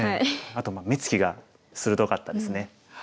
あと目つきが鋭かったですね。